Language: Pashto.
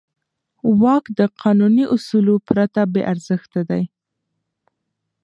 واک د قانوني اصولو پرته بېارزښته دی.